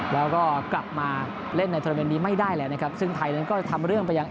แล้วก็กลับมาเล่นในโทรเมนต์นี้ไม่ได้เลยนะครับซึ่งไทยนั้นก็จะทำเรื่องไปยัง